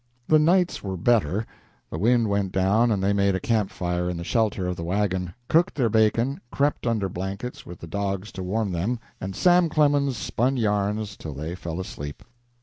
The nights were better. The wind went down and they made a camp fire in the shelter of the wagon, cooked their bacon, crept under blankets with the dogs to warm them, and Sam Clemens spun yarns till they fell asleep.